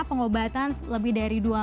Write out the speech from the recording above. pengobatan lebih dari dua minggu